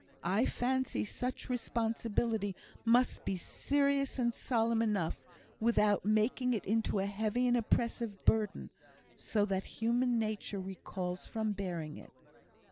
I fancy such a responsibility must be serious and solemn enough, without making it into a heavy and oppressive burden, so that human nature recoils from bearing it.